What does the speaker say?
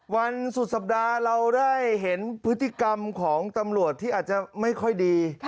วันสุดสัปดาห์เราได้เห็นพฤติกรรมของตำรวจที่อาจจะไม่ค่อยดี